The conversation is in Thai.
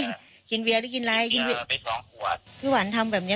รักขนาดรักแล้วทำไมต้องทำขนาดนี้